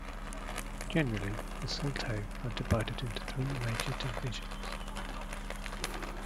Generally, the Saulteaux are divided into three major divisions.